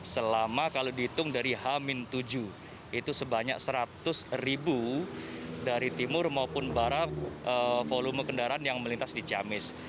selama kalau dihitung dari h tujuh itu sebanyak seratus ribu dari timur maupun barat volume kendaraan yang melintas di ciamis